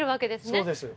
そうです。